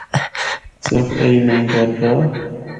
صرف ایہی نینھ کردا۔